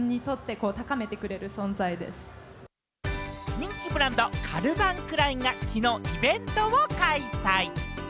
人気ブランド、カルバン・クラインがきのうイベントを開催。